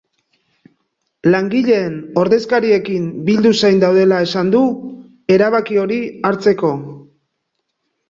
Langileen ordezkariekin bildu zain daudela esan du, erabaki hori hartzeko.